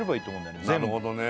なるほどね